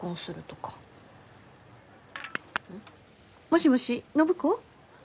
もしもし暢子？